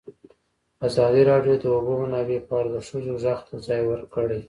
ازادي راډیو د د اوبو منابع په اړه د ښځو غږ ته ځای ورکړی.